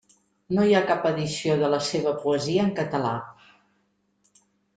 No hi ha cap edició de la seva poesia en català.